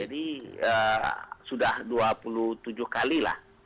jadi sudah dua puluh tujuh kali lah